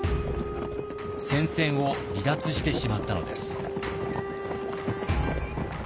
戦線を離脱してしまったのです。